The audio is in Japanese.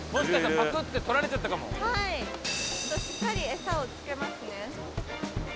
しっかりエサをつけますね。